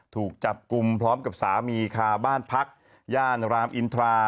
ถูกจับกลุ่มพร้อมกับสามีคาบ้านพักย่านรามอินทรา